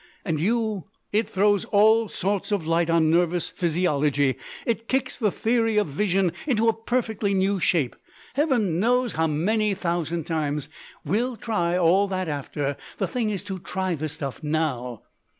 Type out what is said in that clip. "And you " "It throws all sorts of light on nervous physiology, it kicks the theory of vision into a perfectly new shape!... Heaven knows how many thousand times. We'll try all that after The thing is to try the stuff now."